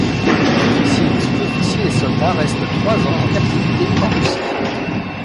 Les officiers et les sous-officiers et soldats restent trois ans en captivité en Russie.